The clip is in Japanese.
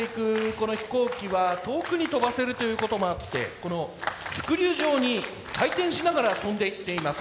この飛行機は遠くに飛ばせるということもあってこのスクリュー状に回転しながら飛んでいっています。